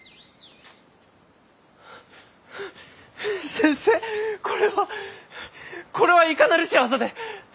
先生これは！これはいかなる仕業で！